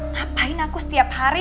ngapain aku setiap hari